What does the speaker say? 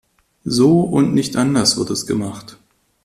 So und nicht anders wird es gemacht.